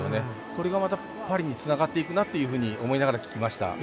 これがまたパリにつながっていくなというふうに思いながら聞きました。